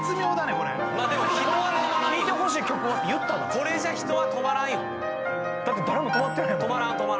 これまあでも弾いてほしい曲は？って言ったのにこれじゃ人は止まらんよだって誰も止まってないもん止まら